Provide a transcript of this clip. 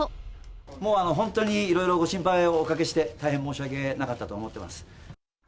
もうあの、本当にいろいろご心配をおかけして、大変申し訳なかったと思ってます。